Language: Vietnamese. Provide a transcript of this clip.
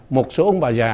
một số ông bà già